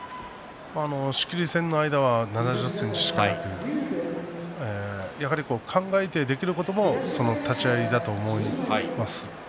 仕切り線の間は７０ｃｍしかなくやはり考えてできることが立ち合いだと思います。